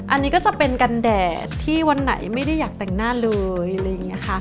อันนี้ก็จะเป็นกันแดดที่วันไหนไม่ได้อยากแต่งหน้าเลย